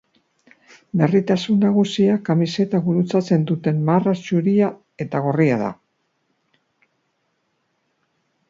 Berritasun nagusia, kamiseta gurutzatzen duten marra zuria eta gorria da.